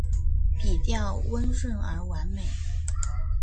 笔调温润而完美